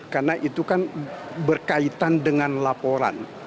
karena itu kan berkaitan dengan laporan